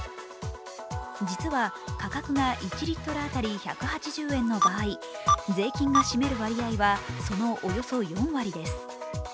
実は価格が１リットル当たり１８０円の場合税金が占める割合はそのおよそ４割です。